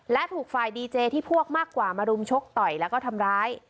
และถูกฝ่ายดีเจที่พวกมากกว่ามารุมชกต่อยแล้วก็ทำร้าย